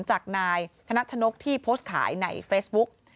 จากนายธนัชนกที่โพสต์ขายในเฟซบุ๊ก